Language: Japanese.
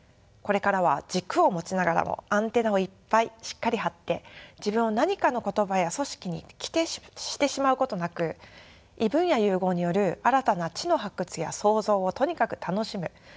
これからは軸を持ちながらもアンテナをいっぱいしっかり張って自分を何かの言葉や組織に規定してしまうことなく異分野融合による新たな知の発掘や創造をとにかく楽しむ。